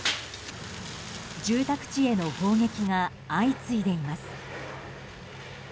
住宅地への砲撃が相次いでいます。